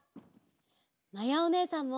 まやおねえさんも！